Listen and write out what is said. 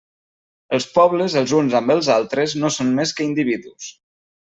Els pobles els uns amb els altres no són més que individus.